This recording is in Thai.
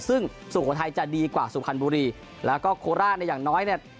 ซึ่งสุโขทัยจะดีกว่าสุพรรณบุรีแล้วก็โคราชเนี่ยอย่างน้อยเนี่ย